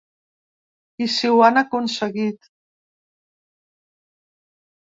I sí, ho han aconseguit.